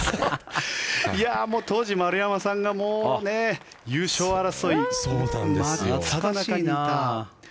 当時、丸山さんが優勝争い真っただ中にいた。